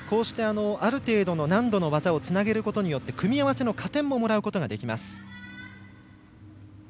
ある程度の難度の技をつなげることで組み合わせの加点ももらうことができます。